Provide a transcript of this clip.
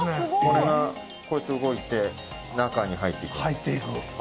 これがこうやって動いて中に入っていきます